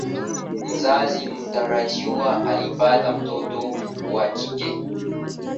Mzazi mtarajiwa alipata mtoto wa kike.